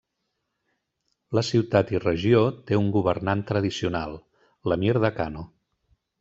La ciutat i regió té un governant tradicional, l'emir de Kano.